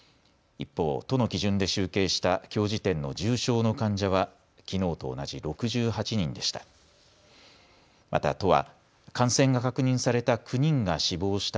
一方、都の基準で集計したきょう時点の重症の患者はきのうと同じ６８人でした。